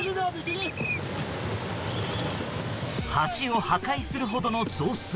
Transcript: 橋を破壊するほどの増水。